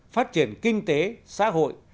phát triển kinh tế xã hội